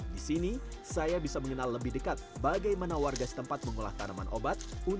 di sini saya bisa mengenal lebih dekat bagaimana warga setempat mengolah tanaman obat